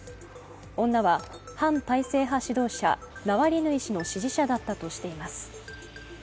女は反体制派指導者、ナワリヌイ氏の支持者だったとしています。